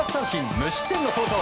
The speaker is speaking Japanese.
無失点の好投。